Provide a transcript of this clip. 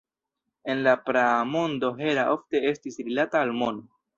En la praa mondo Hera ofte estis rilata al mono.